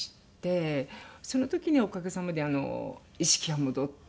その時にはおかげさまで意識は戻って。